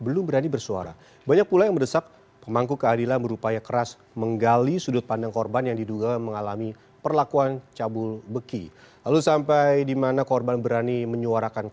langsung ke koresponden eka rima